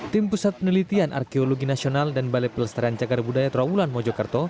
tim pusat penelitian arkeologi nasional dan balai pelestarian cagar budaya trawulan mojokerto